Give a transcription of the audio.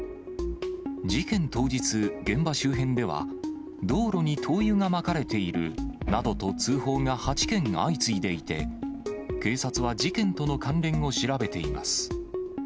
事件当日、現場周辺では、道路に灯油がまかれているなどと通報が８件相次いでいて、警察は事件との関連を調べています。